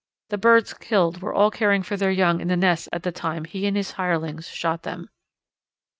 The birds killed were all caring for their young in the nests at the time he and his hirelings shot them.